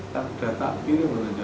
kan data kiri menurutnya